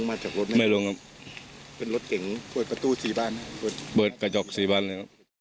อ่าไม่จบ๑๒๓เบา